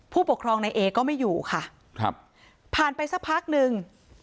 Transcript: ผู้ปกครองในเอก็ไม่อยู่ค่ะครับผ่านไปสักพักหนึ่ง